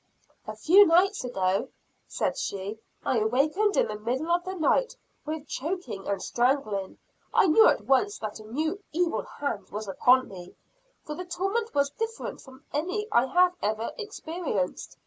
"A few nights ago," said she, "I awakened in the middle of the night with choking and strangling. I knew at once that a new 'evil hand' was upon me; for the torment was different from any I had ever experienced.